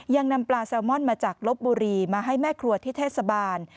ยังนำปลาแซลมอนมาจากลบบุรีมาให้แม่ครัวที่เทศบาล